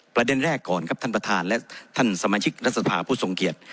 ประเด็นแรกก่อนครับท่านประธานและท่านสมาชิกรัฐสภาผู้ทรงเกียจ